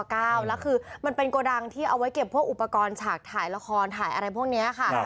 แล้วคือมันเป็นโกดังที่เอาไว้เก็บพวกอุปกรณ์ฉากถ่ายละครถ่ายอะไรพวกนี้ค่ะ